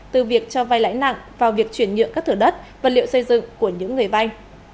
từ việc cho vai lãi nặng vào việc chuyển nhượng các thửa đất vật liệu xây dựng của những người vay